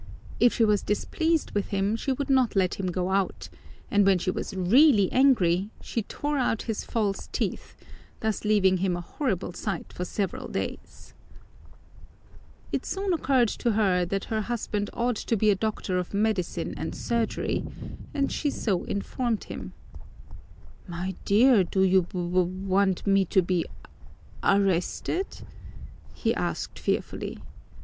If she was displeased with him she would not let him go out, and when she was really angry she tore out his false teeth, thus leaving him a horrible sight for several days. It soon occurred to her that her husband ought to be a doctor of medicine and surgery, and she so informed him. "My dear, do you w want me to be arrested?" he asked fearfully.